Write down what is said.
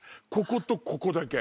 こことここだけ。